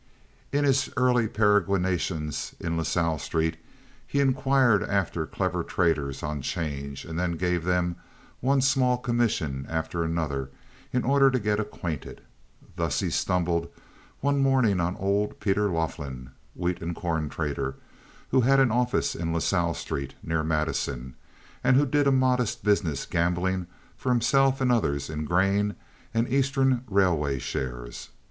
In his early peregrinations in La Salle Street he inquired after clever traders on 'change, and then gave them one small commission after another in order to get acquainted. Thus he stumbled one morning on old Peter Laughlin, wheat and corn trader, who had an office in La Salle Street near Madison, and who did a modest business gambling for himself and others in grain and Eastern railway shares.